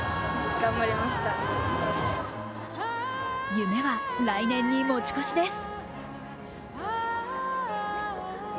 夢は来年に持ち越しです。